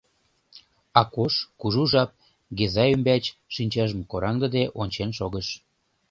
Акош кужу жап Геза ӱмбач шинчажым кораҥдыде ончен шогыш.